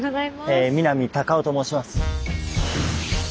南孝雄と申します。